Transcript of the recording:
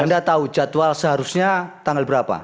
anda tahu jadwal seharusnya tanggal berapa